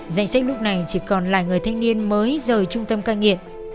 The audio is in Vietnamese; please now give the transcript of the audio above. danh sách lúc này chỉ còn lại người thanh niên mới rời trung tâm ca nghiện